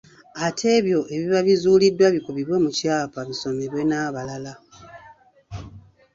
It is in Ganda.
Ate ebyo ebiba bizuuliddwa bikubibwe mu kyapa bisomebwe n’abalala.